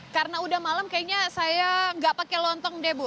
karena udah malam kayaknya saya nggak pakai lontong deh bu